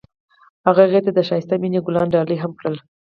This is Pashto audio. هغه هغې ته د ښایسته مینه ګلان ډالۍ هم کړل.